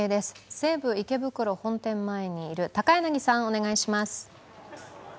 西武池袋本店前にいる高柳さん、お願いします。